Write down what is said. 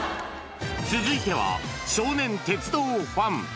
続いては、少年鉄道ファン。